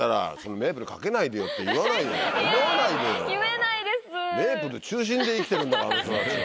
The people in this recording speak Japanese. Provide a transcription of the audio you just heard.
メープル中心で生きてるんだからあの人たちは。